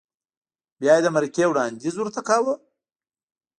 بیا یې د مرکې وړاندیز ورته کاوه؟